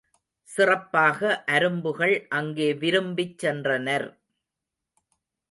சிறப்பாக அரும்புகள் அங்கே விரும்பிச் சென்றனர்.